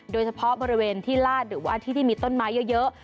โดยเฉพาะบริเวณที่ลาดหรือว่าที่ที่มีต้นไม้เยอะ